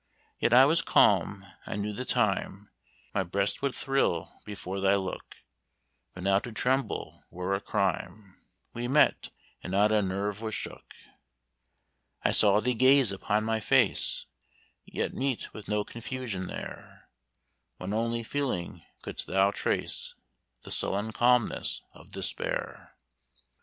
"Yet I was calm: I knew the time My breast would thrill before thy look; But now to tremble were a crime We met, and not a nerve was shook. "I saw thee gaze upon my face, Yet meet with no confusion there: One only feeling could'st thou trace; The sullen calmness of despair. "Away!